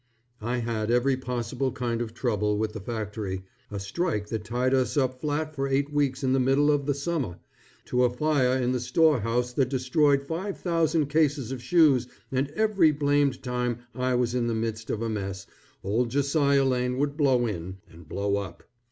I had every possible kind of trouble with the factory: a strike that tied us up flat for eight weeks in the middle of the summer, to a fire in the storehouse that destroyed five thousand cases of shoes and every blamed time I was in the midst of a mess, old Josiah Lane would blow in, and blow up.